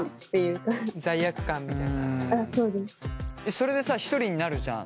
それでさひとりになるじゃん。